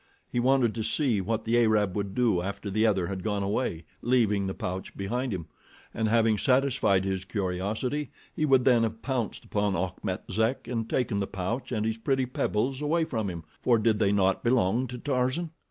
He wanted to see what the Arab would do after the other had gone away, leaving the pouch behind him, and, having satisfied his curiosity, he would then have pounced upon Achmet Zek and taken the pouch and his pretty pebbles away from him, for did they not belong to Tarzan?